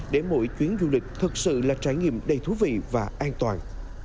để mỗi chuyến du lịch thật sự là trải nghiệm đầy thú vị và an toàn